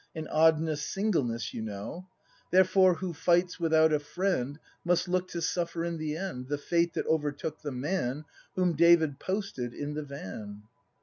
And oddness singleness, you know; Therefore who fights without a friend Must look to suffer in the end The fate that overtook the man Whom David posted in the van.